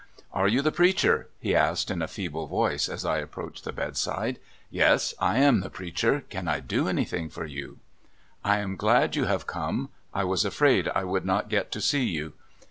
"Are you the preacher?" he asked in a feeble voice, as I approached the bedside. "Yes; I am the preacher. Can I do anything for 3^ou ?''" I am glad you have come — I was afraid I would not get to see you.